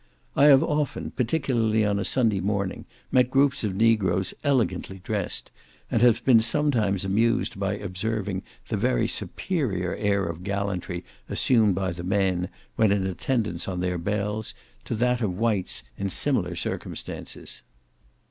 I have often, particularly on a Sunday, met groups of negroes, elegantly dressed; and have been sometimes amused by observing the very superior air of gallantry assumed by the men, when in attendance on their belles, to that of the whites in similar circumstances.